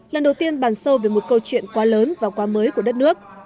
lần đầu tiên bàn sâu về một câu chuyện quá lớn và quá mới của đất nước